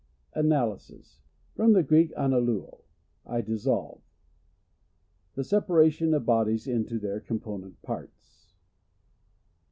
Analysis. — From the Greek, anaJun, I dissolve. The separation of bodies into their component parts.